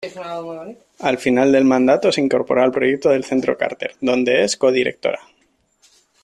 Al final del mandato se incorporó al proyecto del Centro Carter, donde es codirectora.